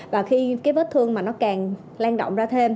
và khi cái vết thương mà nó càng lan rộng ra thêm